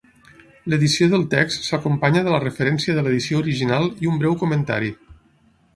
L'edició del text s'acompanya de la referència de l'edició original i un breu comentari.